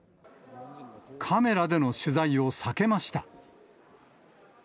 カメラでの取材を避けました。